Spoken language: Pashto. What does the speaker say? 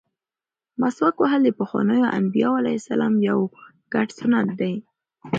مسواک وهل د پخوانیو انبیاوو علیهم السلام یو ګډ سنت دی.